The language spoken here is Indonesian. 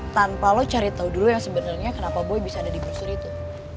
tanpa lo cari tau dulu yang sebenernya kenapa boy bisa ada di brosur itu